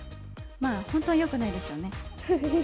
まあ、本当はよくないでしょうね。